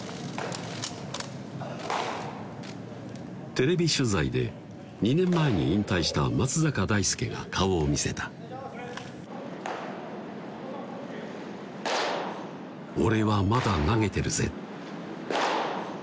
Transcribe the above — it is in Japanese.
テレビ取材で２年前に引退した松坂大輔が顔を見せた俺はまだ投げてるぜ